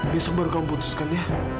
besok baru kamu putuskan ya